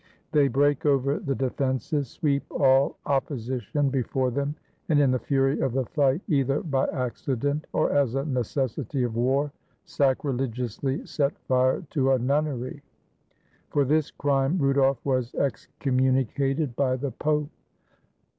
They break over the defenses, sweep all opposition before them, and in the fury of the fight, either by accident or as a necessity of war, sacrilegiously set fire to a nunnery. For this crime Rudolf was excommunicated by the Pope.